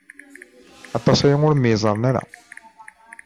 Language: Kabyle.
Aṭas aya ur myeẓren ara.